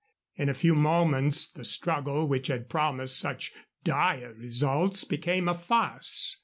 In a few moments the struggle which had promised such dire results became a farce.